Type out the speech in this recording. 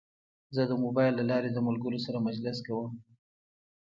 زه د موبایل له لارې د ملګرو سره مجلس کوم.